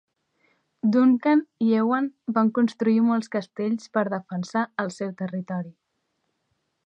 Duncan i Ewan van construir molts castells per defensar el seu territori.